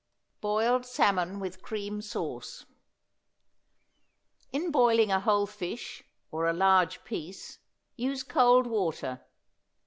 BOILED SALMON WITH CREAM SAUCE. In boiling a whole fish, or a large piece, use cold water.